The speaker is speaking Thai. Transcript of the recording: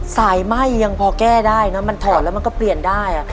ไหม้ยังพอแก้ได้นะมันถอดแล้วมันก็เปลี่ยนได้